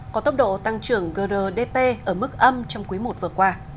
có tốc độ tăng trưởng grdp ở mức âm trong quý i vừa qua